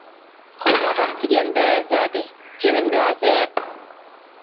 خوتۇن خەق دېگەندە زادى. -جېنىم رازىق.